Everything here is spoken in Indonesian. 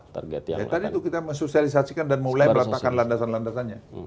ya tadi itu kita sosialisasikan dan mulai meletakkan landasan landasannya